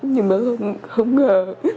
nhưng mà không ngờ